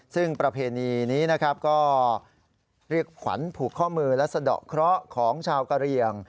ซึ่งประเพณีนี้นะครับก็เรียกขวัญผูกข้อมือและสะดอกเคราะห์ของชาวกะเรียง